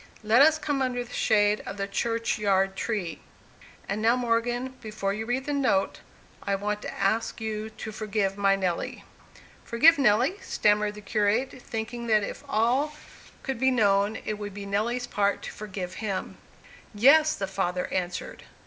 "Let us come under the shade of the churchyard trees. And now, Morgan, before you read the note, I want to ask you to forgive my Nelly." "Forgive Nelly!" stammered the curate, thinking that if all could be known it would be Nelly's part to forgive him. "Yes," the father answered.